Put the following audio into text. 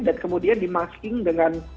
dan kemudian di masking dengan